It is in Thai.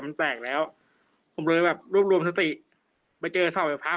มันแปลกแล้วผมเลยแบบรวบรวมสติไปเจอเสาไฟฟ้า